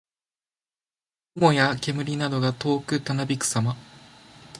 雲や煙などが遠くたなびくさま。